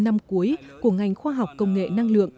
năm cuối của ngành khoa học công nghệ năng lượng